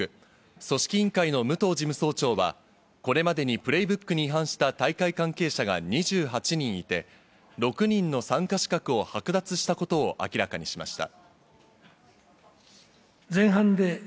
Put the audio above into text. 組織委員会の武藤事務総長はこれまでにプレイブックに違反した大会関係者が２８人いて、６人の参加資格を剥奪したことを明らかにしました。